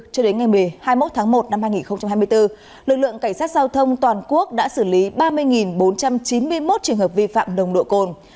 từ ngày một mươi một tháng một năm hai nghìn hai mươi bốn lực lượng cảnh sát giao thông toàn quốc đã xử lý ba mươi bốn trăm chín mươi một trường hợp vi phạm đồng độ cồn